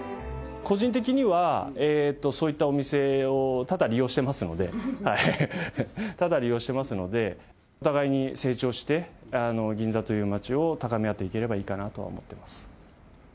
個人的には、そういったお店を多々利用していますので、多々利用していますので、お互いに成長して、銀座という街を高め合っていければいいかなとは思っています。